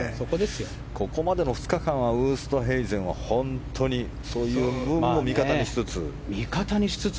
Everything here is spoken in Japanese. ここまでの２日間はウーストヘイゼンはそういう部分も味方にしつつ。